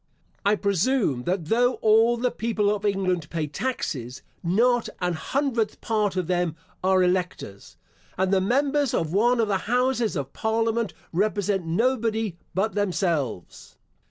I presume, that though all the people of England pay taxes, not an hundredth part of them are electors, and the members of one of the houses of parliament represent nobody but themselves.